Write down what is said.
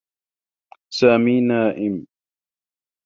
سامي نائم.